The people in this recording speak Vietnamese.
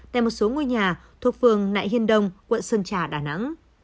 tại một số ngôi nhà thuộc phường nại hiên đông quận sơn trà đà nẵng